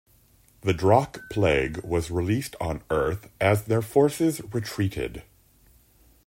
The Drakh Plague was released on Earth as their forces retreated.